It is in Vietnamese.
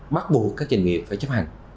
mắc buộc các doanh nghiệp phải chấp hành